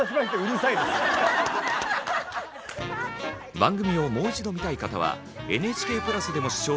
番組をもう一度見たい方はＮＨＫプラスでも視聴できます。